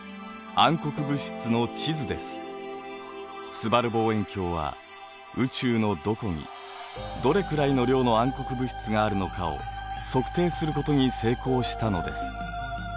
すばる望遠鏡は宇宙のどこにどれくらいの量の暗黒物質があるのかを測定することに成功したのです。